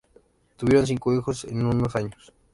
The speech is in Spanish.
Tuvieron cinco hijos en unos años.